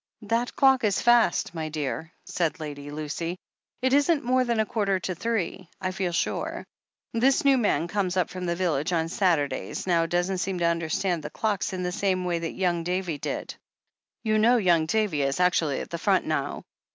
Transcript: "That clock is fast, my dear," said Lady Lucy. "It isn't more than a quarter to three, I feel sure. This new man who comes up from the village on Saturdays now doesn't seem to understand the clocks in the same way that young Davy did. You know young Davy is actually at the front now?